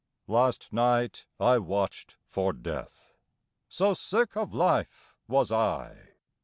Last night I watched for Death So sick of life was I!